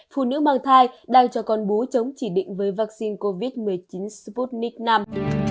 phụ nữ mang thai đang cho con bú chống chỉ định với vaccine covid một mươi chín sputnik v